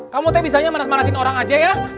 kamu te bisanya manas manasin orang aja ya